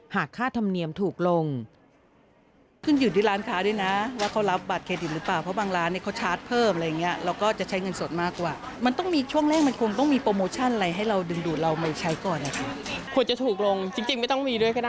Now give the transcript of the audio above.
หากค่าธรรมเนียมถูกลง